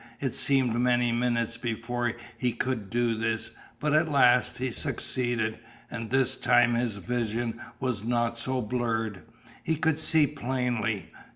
It seemed many minutes before he could do this, but at last he succeeded. And this time his vision was not so blurred. He could see plainly.